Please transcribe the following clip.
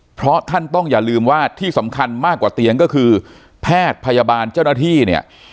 เพราะท่านต้องอย่าลืมว่าที่สำคัญมากกว่าเตียงก็คือแพทย์พยาบาลเจ้าหน้าที่เนี่ย